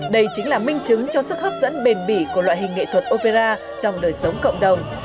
đây chính là minh chứng cho sức hấp dẫn bền bỉ của loại hình nghệ thuật opera trong đời sống cộng đồng